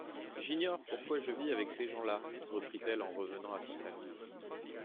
J'ignore pourquoi je vis avec ces gens-là, reprit-elle en revenant à sa famille.